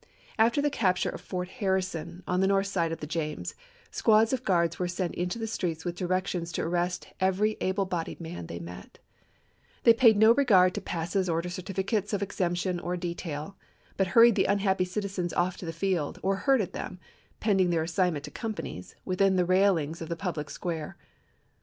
After the capture of Fort Harrison, on the north side of the James, squads of guards were sent into the streets with directions to arrest every able bodied man they met. They paid FIVE FORKb 1D1 no regard to passes or to certificates of exemption chap.viil or detail, but hurried the unhappy civilians off to the field, or herded them, pending their assignment to companies, within the railings of the public square.